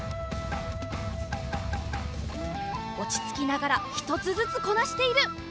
おちつきながらひとつずつこなしている。